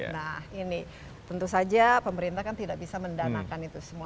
nah ini tentu saja pemerintah kan tidak bisa mendanakan itu semua